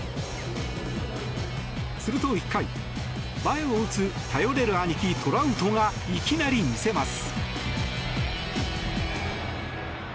すると１回、前を打つ頼れる兄貴トラウトがいきなり見せます。